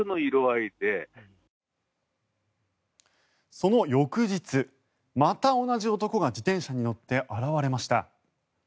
その翌日、また同じ男が自転車に乗って現れました。